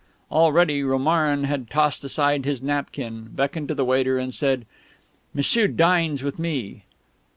Already Romarin had tossed aside his napkin, beckoned to the waiter, and said, "M'sieu dines with me...."